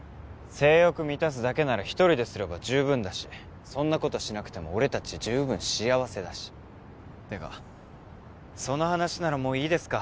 性欲満たすだけなら１人ですれば十分だしそんなことしなくても俺達十分幸せだしってかその話ならもういいですか？